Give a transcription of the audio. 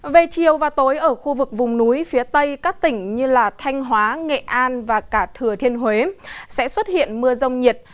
về chiều và tối ở khu vực vùng núi phía tây các tỉnh như thanh hóa nghệ an và cả thừa thiên huế sẽ xuất hiện mưa rông nhiệt